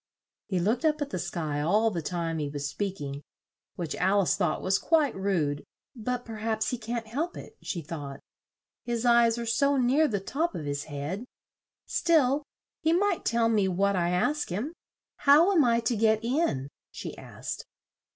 He looked up at the sky all the time he was speak ing, which Al ice thought was quite rude. "But per haps he can't help it," she thought, "his eyes are so near the top of his head. Still he might tell me what I ask him How am I to get in?" she asked.